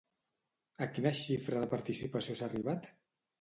A quina xifra de participació s'ha arribat?